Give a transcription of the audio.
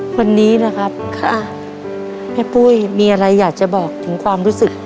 วันนี้นะครับแม่ปุ้ยมีอะไรอยากจะบอกถึงความรู้สึก